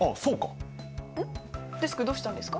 デスクどうしたんですか？